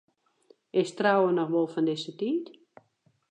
Is trouwen noch wol fan dizze tiid?